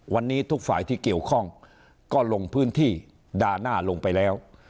วันนี้ทุกฝ่ายที่เกี่ยวข้องก็ลงพื้นที่ด่าหน้าลงไปแล้ว